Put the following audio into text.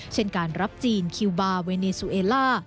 เช่นการรับจีนคิวบาร์เวเนซูเอล่า